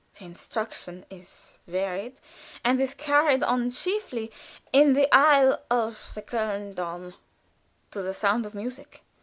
The instruction is varied, and is carried on chiefly in the aisle of the Kölner Dom, to the sound of music.